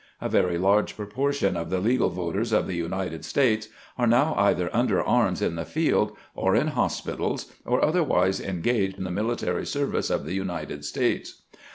A very large proportion of the legal voters of the United States are now either under arms in the field, or in hospitals, or otherwise engaged in the military service of the United States.